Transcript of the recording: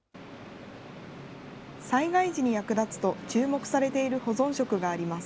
災害時に役立つと注目されている保存食があります。